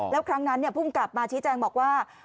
แล้วครั้งนั้นภูมิกลับมาชี้แจงบอกว่า